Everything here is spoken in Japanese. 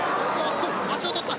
足を取った！